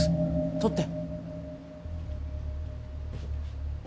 取って。